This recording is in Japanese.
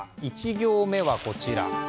１行目はこちら。